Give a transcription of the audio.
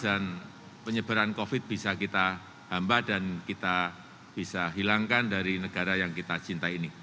dan penyebaran covid sembilan belas bisa kita hambat dan kita bisa hilangkan dari negara yang kita cintai ini